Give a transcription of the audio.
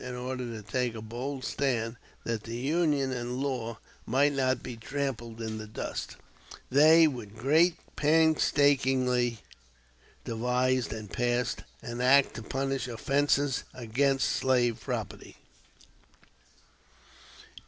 In order to "take a bold stand that the Union and law might not be trampled in the dust," they with great painstaking devised and passed "an act to punish offenses against slave property."